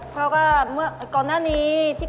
น้ำหยดลงหินน้ำหยดลงหิน